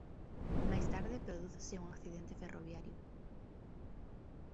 Máis tarde prodúcese un accidente ferroviario.